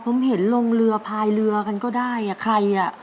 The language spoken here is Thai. ผมเห็นลงเรือพายเรือกันก็ได้อ่ะใครอ่ะ